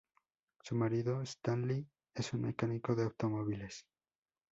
Su marido, Stanley, es un mecánico de automóviles.